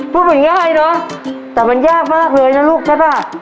พูดมันง่ายเนอะแต่มันยากมากเลยนะลูกใช่ป่ะ